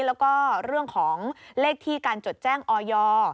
แล้วก็เรื่องของเลขที่การจดแจ้งออย